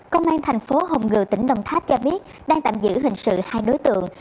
công an thành phố hồng ngự tỉnh đồng tháp cho biết đang tạm giữ hình sự hai đối tượng